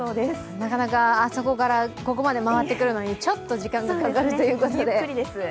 なかなかあそこから、ここまで回ってくるのにちょっと時間がかかるということで。